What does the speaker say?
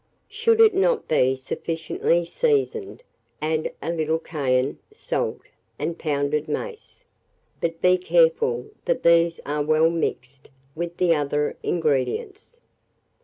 Should it not be sufficiently seasoned, add a little cayenne, salt, and pounded mace, but be careful that these are well mixed with the other ingredients.